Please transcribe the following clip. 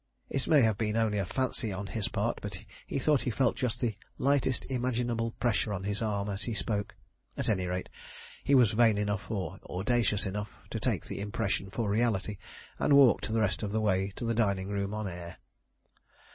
It may have been only fancy on his part, he thought he felt just the lightest imaginable pressure on his arm as he spoke. At any rate, he was vain enough or audacious enough to take the impression for a reality, and walked the rest of the way to the dining room on air.